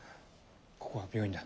ここは病院だ。